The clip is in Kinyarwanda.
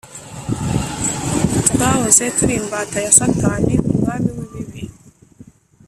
Twahoze turi imbata ya satani umwami w’ibibi